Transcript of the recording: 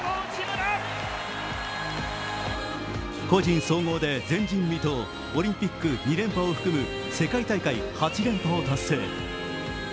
個人、総合で前人未到、オリンピック２連覇を含む世界大会８連覇を達成。